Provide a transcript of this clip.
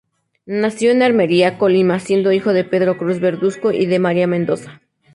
Nació en Armería, Colima siendo hijo de Pedro Cruz Verduzco y de María Mendoza.